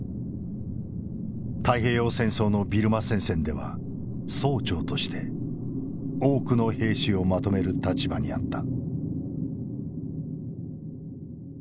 太平洋戦争のビルマ戦線では曹長として多くの兵士をまとめる立場にあった。